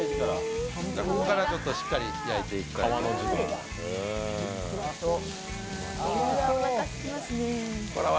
ここからしっかり焼いていきたいと思います。